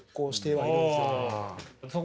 はい。